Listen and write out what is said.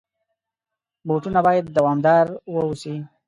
بوټونه باید دوامدار واوسي.